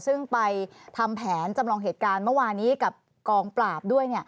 ซึ่งไปทำแผนจำลองเหตุการณ์เมื่อวานี้กับกองปราบด้วย